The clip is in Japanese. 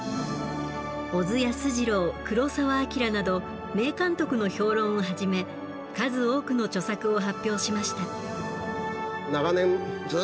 小津安二郎黒澤明など名監督の評論をはじめ数多くの著作を発表しました。